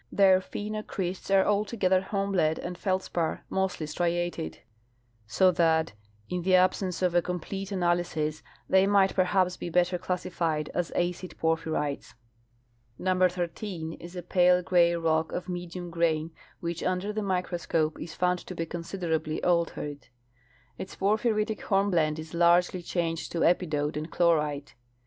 Their phenocrysts are altogether hornblende and feldspar (mostly striated) ; so that, in the ab senceof a comjDlete analysis, they might perhaps be better classi fied as acid porphyrites. Number 13 is a pale gray rock of medium grain, which under the microscope is found to be consideraljl}^ altered. Its por phyritic hornblende is largely changed to epidote and chlorite.